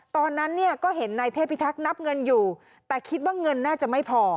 ตอนนั้นเนี่ยก็เห็นนายเทพิทักษ์นับเงินอยู่แต่คิดว่าเงินน่าจะไม่พอ